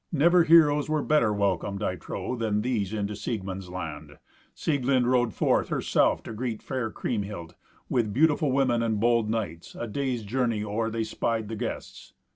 Never heroes were better welcomed, I trow, than these, into Siegmund's land. Sieglind rode forth, herself, to greet fair Kriemhild, with beautiful women and bold knights, a day's journey or they spied the guests.